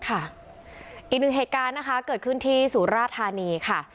อีกหนึ่งเหตุการณ์นะคะเกิดขึ้นที่สุราธานีค่ะ